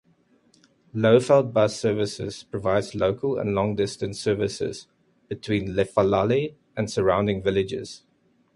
Lowveld Bus Services provides local and long distance services between Lephalale and surrounding villages.